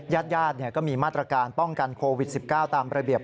ญาติญาติก็มีมาตรการป้องกันโควิด๑๙ตามระเบียบ